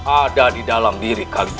ada di dalam diri kami